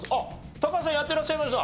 高橋さんやってらっしゃいました？